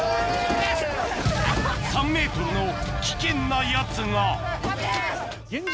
３ｍの危険なやつが現状